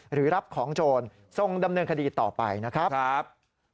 หรือรับของโจรส่งดำเนินคดีต่อไปนะครับ